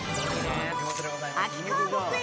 秋川牧園